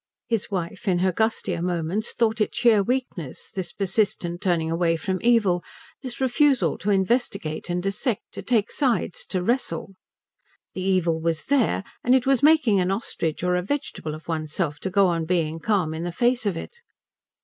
His wife, in her gustier moments, thought it sheer weakness, this persistent turning away from evil, this refusal to investigate and dissect, to take sides, to wrestle. The evil was there, and it was making an ostrich or a vegetable of one's self to go on being calm in the face of it.